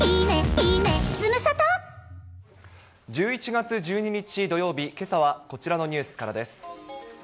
１１月１２日土曜日、けさはこちらのニュースからです。